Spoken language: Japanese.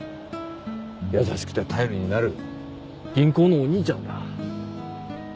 優しくて頼りになる銀行のお兄ちゃんだ。